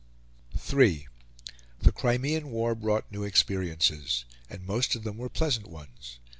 III The Crimean War brought new experiences, and most of them were pleasant ones.